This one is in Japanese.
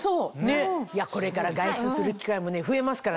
これから外出する機会も増えますからね